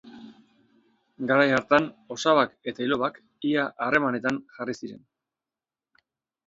Garai hartan osabak eta ilobak ia harremanetan jarri ziren.